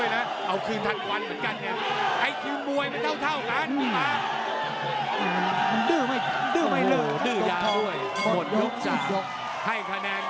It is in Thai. ให้คะแนนยกต่อยกแล้วครับ